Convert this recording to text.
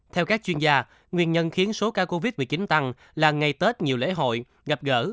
theo các chuyên gia nguyên nhân khiến số ca covid một mươi chín tăng là ngày tết nhiều lễ hội gặp gỡ